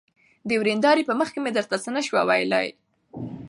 د ويندارې په مخکې مې درته څه نشوى ويلى.